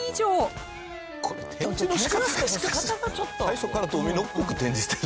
最初からドミノっぽく展示してる。